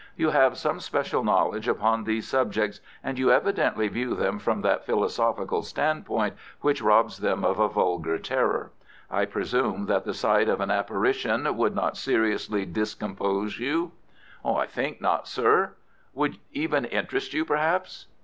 You have some special knowledge upon these subjects, and you evidently view them from that philosophical standpoint which robs them of all vulgar terror. I presume that the sight of an apparition would not seriously discompose you?" "I think not, sir." "Would even interest you, perhaps?"